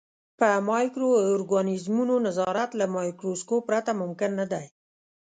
په مایکرو ارګانیزمونو نظارت له مایکروسکوپ پرته ممکن نه دی.